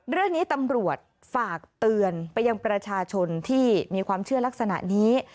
เรื่องนี้ตำรวจฝากเตือนไปยังประชาชนที่มีความเชื่อลักษณะนี้